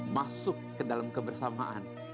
masuk ke dalam kebersamaan